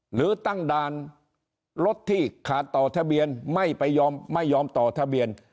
หรือตั้งด่านรถที่ขาดต่อทะเบียนไม่ไปยอมไม่ยอมต่อทะเบียน